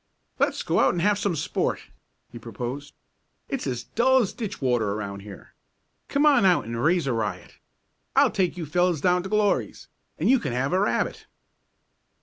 "Let's go out and have some sport," he proposed. "It's as dull as ditch water around here. Come on out and raise a riot. I'll take you fellows down to Glory's, and you can have a rabbit."